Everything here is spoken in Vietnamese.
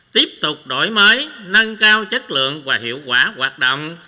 tiếp tục đổi mới nâng cao chất lượng và hiệu quả hoạt động